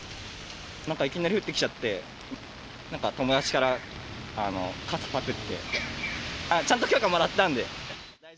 なんかいきなり降ってきちゃって、なんか友達から傘パクって、ちゃんと許可もらったんで。